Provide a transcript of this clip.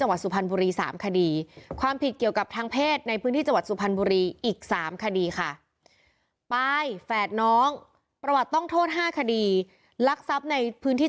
ออกมาข้างนอกออกมาข้างนอกออกมาข้างนอกออกมาข้างนอกออกมาข้างนอกออกมาข้างนอกออกมาข้างนอก